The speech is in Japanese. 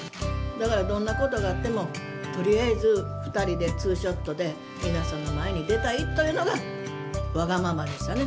だから、どんなことがあっても、とりあえず２人でツーショットで、皆さんの前に出たいというのが、わがままですよね。